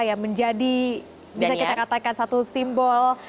yang menjadi bisa kita katakan satu simbol